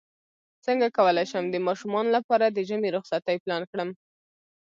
څنګه کولی شم د ماشومانو لپاره د ژمی رخصتۍ پلان کړم